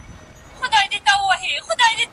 ناوړه هوا پېښې د خطر زیاتوالی لري.